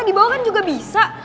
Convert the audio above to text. di bawah kan juga bisa